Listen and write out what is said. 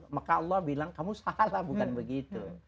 maka allah bilang kamu salah bukan begitu